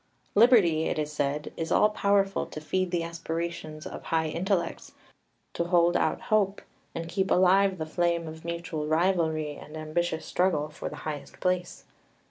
Liberty, it is said, is all powerful to feed the aspirations of high intellects, to hold out hope, and keep alive the flame of mutual rivalry and ambitious struggle for the highest place.